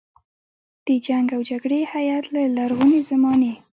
د جنګ او جګړې هیت له لرغونې زمانې.